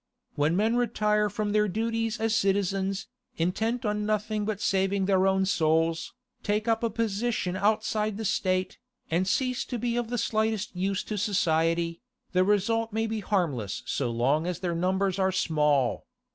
When men retire from their duties as citizens, intent on nothing but on saving their own souls, take up a position outside the State, and cease to be of the slightest use to society, the result may be harmless so long as their numbers are small.